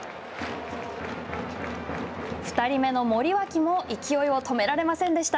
２人目の森脇も勢いを止められませんでした。